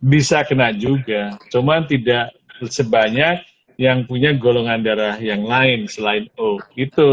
bisa kena juga cuma tidak sebanyak yang punya golongan darah yang lain selain o gitu